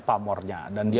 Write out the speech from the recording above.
pamornya dan dia